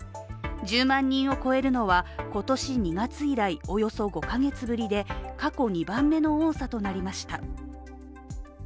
１０万人を超えるのは、今年２月以来およそ５カ月ぶりで、過去２番目の多さとなりました。